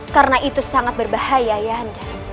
karena itu sangat berbahaya ayahanda